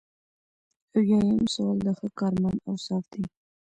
اویایم سوال د ښه کارمند اوصاف دي.